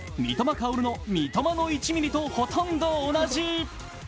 薫の三笘の１ミリとほとんど同じ。